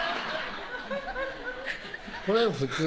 これ普通